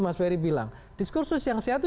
mas ferry bilang diskursus yang sehat itu